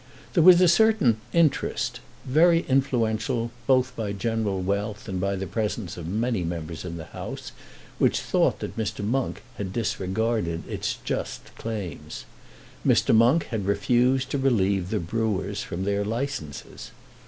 There was a certain "interest," very influential both by general wealth and by the presence of many members in the House, which thought that Mr. Monk had disregarded its just claims. Mr. Monk had refused to relieve the Brewers from their licences.